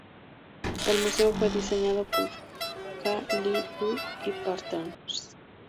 El museo fue diseñado por Kha Le-Huu y Partners.